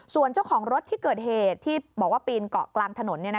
ส่วนเจ้าของรถที่เกิดเหตุที่บอกว่าปีนเกาะกลางถนน